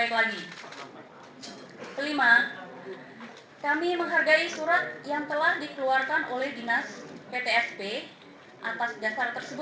ya memang kami menghormati keputusan itu